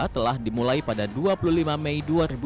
telah dimulai pada dua puluh lima mei dua ribu dua puluh